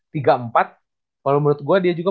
tiga empat kalau menurut gue dia juga